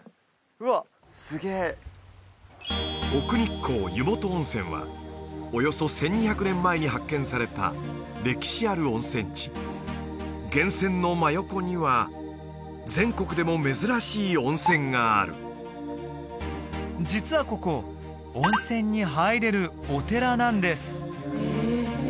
うわっすげえ奥日光湯元温泉はおよそ１２００年前に発見された歴史ある温泉地源泉の真横には全国でも珍しい温泉がある実はここ温泉に入れるお寺なんです